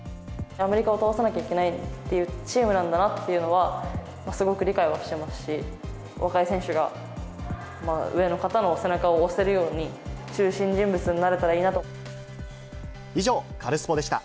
アメリカは倒さなくてはいけないというチームなんだなっていうのは、すごく理解はしてますし、若い選手が上の方の背中を押せるように中心人物になれたらなと。以上、カルスポっ！でした。